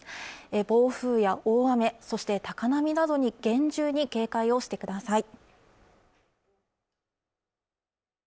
暴風や大雨そして高波などに厳重に警戒をしてください